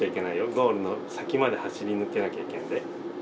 ゴールの先まで走り抜けなきゃいけんで。